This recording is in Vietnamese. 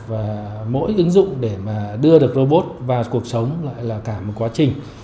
và mỗi ứng dụng để mà đưa được robot vào cuộc sống lại là cả một quá trình